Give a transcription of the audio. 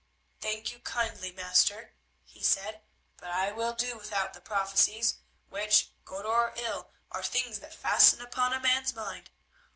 "Thank you kindly, master," he said, "but I will do without the prophecies, which, good or ill, are things that fasten upon a man's mind.